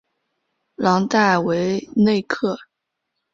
朗代韦内克。